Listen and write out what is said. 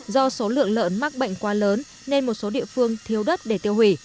do số lượng lợn mắc bệnh quá lớn nên một số địa phương thiếu đất để tiêu hủy